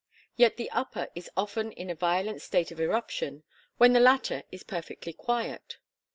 Yet the upper is often in a violent state of eruption when the latter is perfectly quiet.